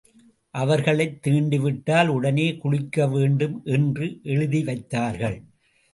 அவர்களைத் தீண்டிவிட்டால் உடனே குளிக்க வேண்டும் என்று எழுதி வைத்தார்கள்.